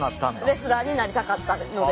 レスラーになりたかったので。